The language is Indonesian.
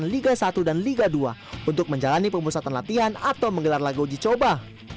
liga satu dan liga dua untuk menjalani pemusatan latihan atau menggelar lagu uji coba